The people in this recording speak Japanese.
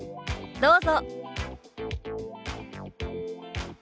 どうぞ。